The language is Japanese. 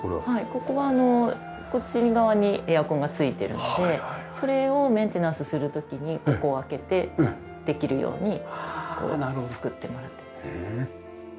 これはこっち側にエアコンがついているのでそれをメンテナンスする時にここを開けてできるように作ってもらって。